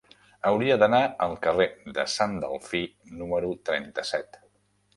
Hauria d'anar al carrer de Sant Delfí número trenta-set.